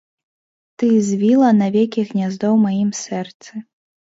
Ты звіла навекі гняздо ў маім сэрцы.